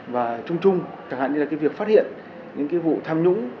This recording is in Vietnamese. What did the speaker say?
và trung trung chẳng hạn như là việc phát hiện những vụ tham nhũng